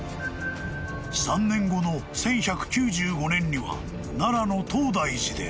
［３年後の１１９５年には奈良の東大寺で］